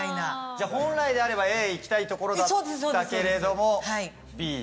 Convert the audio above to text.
本来であればＡ行きたいところだったけれどもＢ。